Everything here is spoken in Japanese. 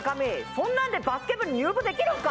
そんなんでバスケ部に入部できるんか